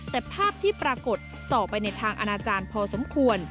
แต่ภาพที่ปรากฏส่อไปในทางอนาจารย์พอสมควร